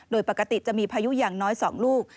โดยปกติจะมีพายุอย่างน้อย๒ลูก